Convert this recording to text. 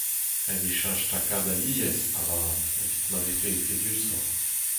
Ret eo cheñch takad alies, avat, evit ma vefe efedusoc'h.